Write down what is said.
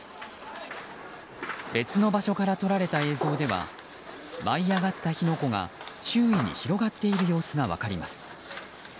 別の場所から撮られた映像では舞い上がった火の粉が、周囲に広がっている様子が分かります。